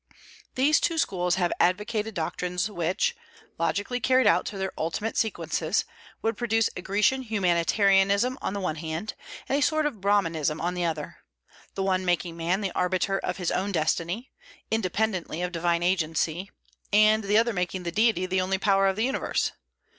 These two schools have advocated doctrines which, logically carried out to their ultimate sequences, would produce a Grecian humanitarianism on the one hand, and a sort of Bramanism on the other, the one making man the arbiter of his own destiny, independently of divine agency, and the other making the Deity the only power of the universe.